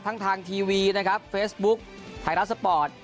ทางทีวีนะครับเฟซบุ๊คไทยรัฐสปอร์ต